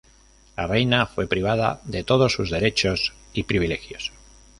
La reina fue privada de todos sus derechos y privilegios.